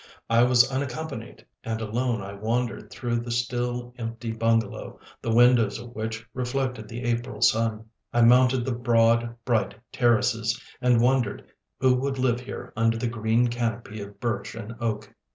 I was unaccompanied; and alone I wandered through the still empty bungalow, the windows of which reflected the April sun. I mounted the broad bright terraces, and wondered who would live here under the green canopy of birch and oak.